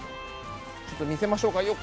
ちょっと見せましょうか。